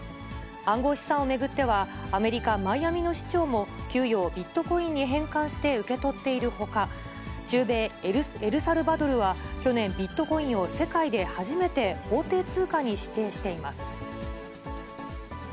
暗号資産を巡っては、アメリカ・マイアミの市長も、給与をビットコインに変換して受け取っているほか、中米・エルサルバドルは、去年、ビットコインを世界で初めて法定通貨に指定しています。